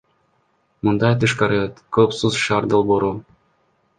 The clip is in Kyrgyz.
Мындан тышкары, Коопсуз шаар долбоору.